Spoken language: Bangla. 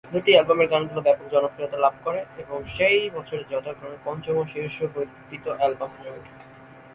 দুটি অ্যালবামের গানগুলি ব্যাপক জনপ্রিয়তা লাভ করে, এবং সেই বছরে যথাক্রমে পঞ্চম ও শীর্ষ বিক্রীত অ্যালবাম হয়ে ওঠে।